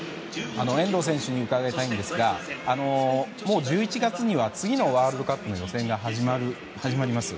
遠藤選手に伺いたいんですが１１月には次のワールドカップの予選が始まります。